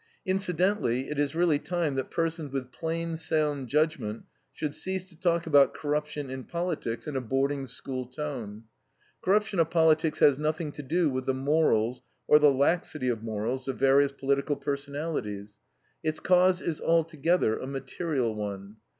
Incidentally, it is really time that persons with plain, sound judgment should cease to talk about corruption in politics in a boarding school tone. Corruption of politics has nothing to do with the morals, or the laxity of morals, of various political personalities. Its cause is altogether a material one.